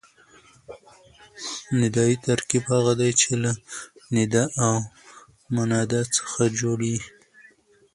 ندایي ترکیب هغه دئ، چي له ندا او منادا څخه جوړ يي.